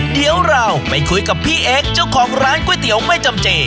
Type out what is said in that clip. เดี๋ยวเราไปคุยกับพี่เอ็กซ์เจ้าของร้านก๋วยเตี๋ยวไม่จำเจ